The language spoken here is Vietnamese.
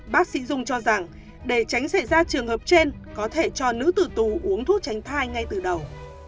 bác sĩ dung cho rằng để tránh xảy ra trường hợp trên có thể cho nữ tử tù tù uống thuốc tránh thai ngay từ đầu